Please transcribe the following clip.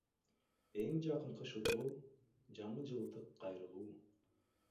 Эң жакынкы шылтоо — жаңы жылдык кайрылуу.